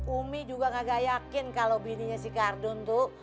umi juga gak yakin kalo bininya si gardung tuh